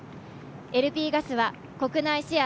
ＬＰガスは国内シェア